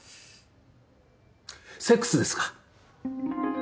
セックスですか？